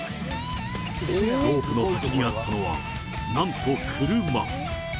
ロープの先にあったのは、なんと車。